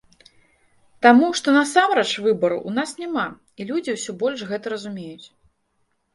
Таму, што насамрэч выбараў у нас няма, і людзі ўсё больш гэта разумеюць.